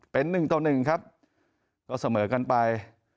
เป็น๑ตัว๑ครับก็เสมอกันไป